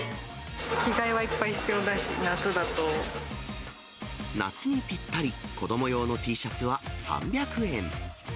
着替えはいっぱい必要だし、夏にぴったり、子ども用のＴシャツは３００円。